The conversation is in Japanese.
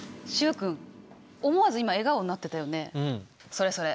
それそれ！